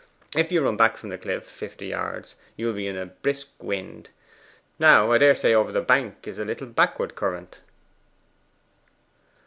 If you run back from the cliff fifty yards, you will be in a brisk wind. Now I daresay over the bank is a little backward current.